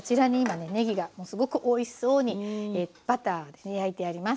ねぎがもうすごくおいしそうにバターで焼いてあります。